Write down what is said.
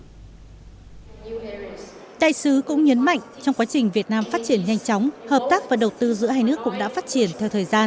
đại sứ cũng nhấn mạnh trong quá trình việt nam phát triển nhanh chóng hợp tác và đầu tư giữa hai nước cũng đã phát triển theo thời gian